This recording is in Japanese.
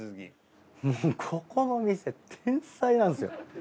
ここの店天才なんですよ。